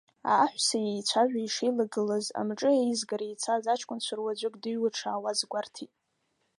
Аҳәса иеицәажәо ишеилагылаз, амҿы еизгара ицаз аҷкәынцәа руаӡәык дыҩуа дшаауаз гәарҭеит.